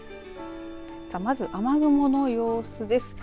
まず、雨雲の様子です。